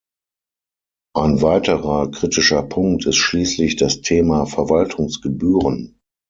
Ein weiterer kritischer Punkt ist schließlich das Thema Verwaltungsgebühren.